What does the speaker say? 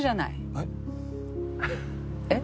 えっ？えっ？